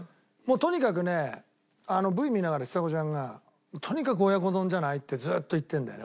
とにかくねあのＶ見ながらちさ子ちゃんがとにかく親子丼じゃない？ってずっと言ってるんだよね